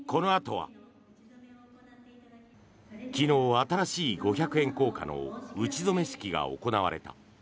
このあとは昨日、新しい五百円硬貨の打ち初め式が行われた。